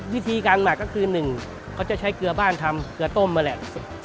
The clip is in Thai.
วิธีการหมักก็คือหนึ่งเขาจะใช้เกลือบ้านทำเกลือต้มนั่นแหละ